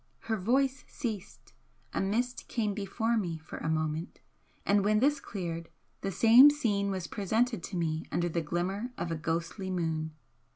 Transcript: Her voice ceased a mist came before me for a moment and when this cleared, the same scene was presented to me under the glimmer of a ghostly moon.